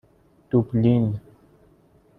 دوبلین